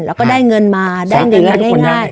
แล้วก็ได้เงินมาได้เงินง่าย